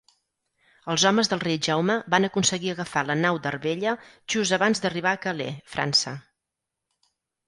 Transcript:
Els homes del rei Jaume van aconseguir agafar la nau d'Arbella just abans d'arribar a Calais, França.